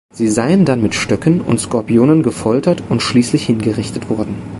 Sie seien dann mit Stöcken und Skorpionen gefoltert und schließlich hingerichtet worden.